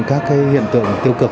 các hiện tượng tiêu cực